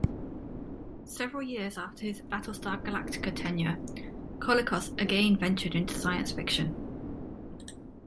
Several years after his "Battlestar Galactica" tenure, Colicos again ventured into science fiction.